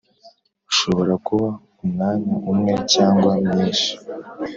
ushobora kuba umwanya umwe cyangwa myinshi,